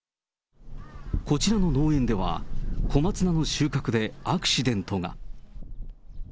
こちらの農園では、小松菜の収穫でアクシデントが。